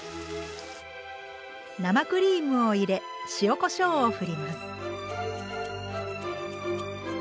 生クリームを入れ塩・こしょうをふります。